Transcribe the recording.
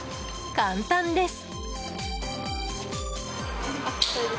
簡単です。